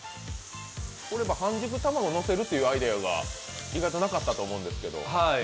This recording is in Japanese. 半熟卵のせるというアイデアが意外となかったと思うんですけど。